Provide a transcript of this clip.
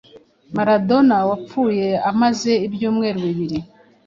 Maradona wapfuye amaze ibyumweru bibiri